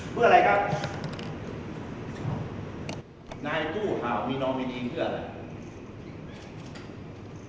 เพื่ออะไรครับนายตู้เห่ามีนอมินีเพื่ออะไร